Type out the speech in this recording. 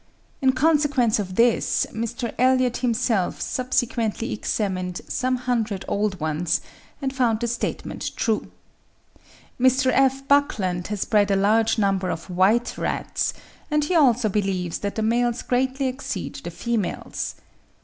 In consequence of this, Mr. Elliot himself subsequently examined some hundred old ones, and found the statement true. Mr. F. Buckland has bred a large number of white rats, and he also believes that the males greatly exceed the females.